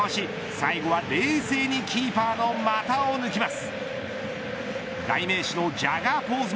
最後は冷静にキーパーの股を抜きます。